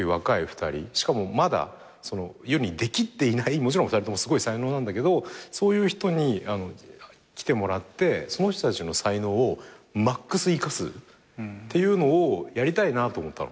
もちろん２人ともすごい才能なんだけどそういう人に来てもらってその人たちの才能をマックス生かすっていうのをやりたいなと思ったの。